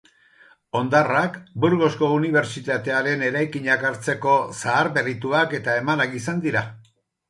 Hondarrak Burgosko Unibertsitatearen eraikinak hartzeko zaharberrituak eta emanak izan dira.